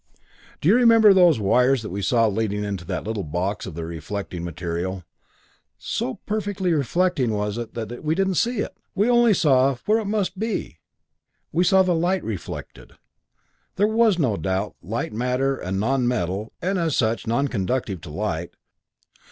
"Do you remember those wires that we saw leading to that little box of the reflecting material? So perfectly reflecting it was that we didn't see it. We only saw where it must be; we saw the light it reflected. That was no doubt light matter, a non metal, and as such, non conductive to light.